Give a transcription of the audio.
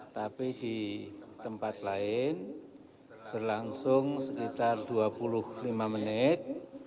tapi di tempat lain berlangsung sekitar dua puluh lima menit